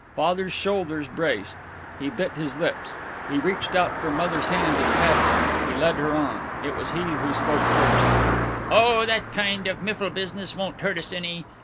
Father's shoulders braced; he bit his lips; he reached out for Mother's hand and patted it. He led her on, and it was he who spoke first: "Oh, that kind of miffle business won't hurt us any.